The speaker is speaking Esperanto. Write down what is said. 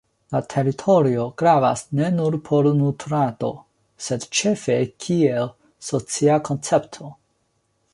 La teritorio gravas ne nur por nutrado sed ĉefe kiel socia koncepto.